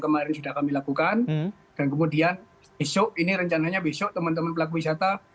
kemarin sudah kami lakukan dan kemudian besok ini rencananya besok teman teman pelaku wisata